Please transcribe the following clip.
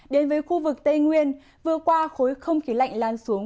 đến với khu vực tây nguyên vừa qua khối không khí lạnh lan xuống